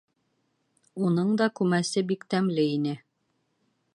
Уның да күмәсе бик тәмле ине.